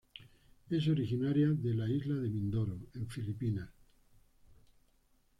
Es originaria de isla de Mindoro en Filipinas.